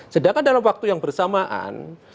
sedangkan dalam waktu yang bersamaan